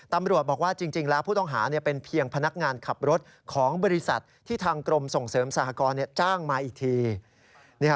ตำรวจบอกว่าจริงแล้วผู้ต้องหาเป็นเพียงพนักงานขับรถของบริษัทที่ทางกรมส่งเสริมสหกรณ์จ้างมาอีกที